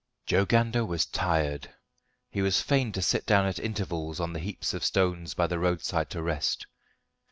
Joe Gander was tired. He was fain to sit down at intervals on the heaps of stones by the roadside to rest.